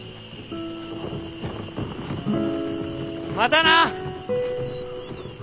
またな！